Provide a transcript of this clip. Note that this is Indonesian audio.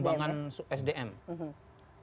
paling tidak kementerian